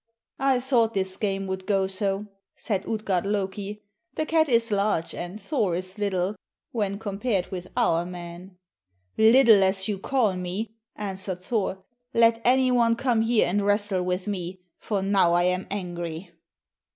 "I thought this game would go so," said Utgard Loki. "The cat is large and Thor is little when compared with our men." "Little as you call me," answered Thor, "let any one come here and wrestle with me, for now I am angry."